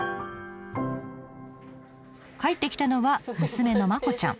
帰ってきたのは娘のまこちゃん。